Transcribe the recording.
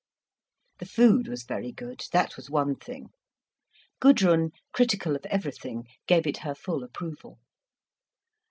The food was very good, that was one thing. Gudrun, critical of everything, gave it her full approval.